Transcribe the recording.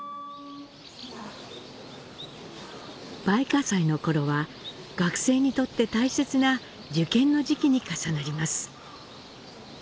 梅花祭のころは、学生にとって大切な受験の時期に重なります。